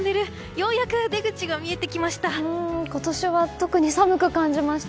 ようやく出口が見えてきました。